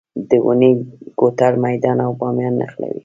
د اونی کوتل میدان او بامیان نښلوي